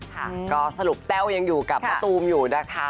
ค่ะก็สรุปแต้วยังอยู่กับมะตูมอยู่นะคะ